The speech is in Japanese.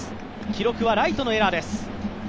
記録はライトのエラーです。